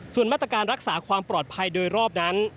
ส่วนมาตรการรักษาความปลอดภัยโดยรอบนั้น